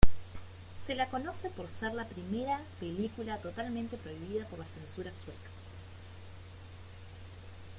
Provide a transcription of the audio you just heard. Se la conoce por ser la primera película totalmente prohibida por la censura sueca.